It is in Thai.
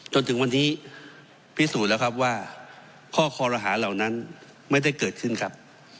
จนถึงวันนี้พิสูจน์แล้วครับว่าข้อคอรหาเหล่านั้นไม่ได้เกิดขึ้นครับ